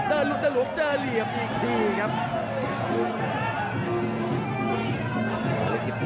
เดินลุกเจอเหลี่ยมอีกทีครับ